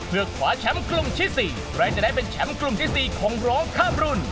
เพื่อคว้าแชมป์กลุ่มที่๔ใครจะได้เป็นแชมป์กลุ่มที่๔ของร้องข้ามรุ่น